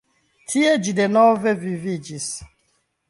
Tie ĝi denove viviĝis.